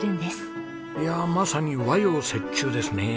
いやあまさに和洋折衷ですね。